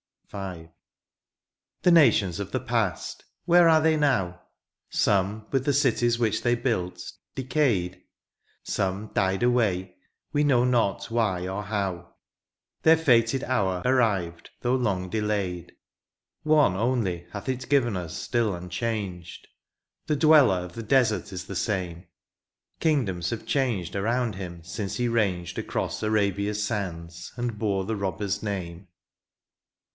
V. The nations of the past, where are they now ? Some, with the cities which they built, decayed. Some died away we know not why or how; Their fated hour arrived though long delayed ; One only hath it given us still unchanged, — The dweller of the desert is the same: Kingdoms have changed around him since he ranged Across Arabia's sands, and bore the robber's name.